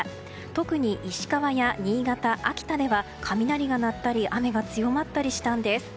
特に石川や新潟、秋田では雷が鳴ったり雨が強まったりしたんです。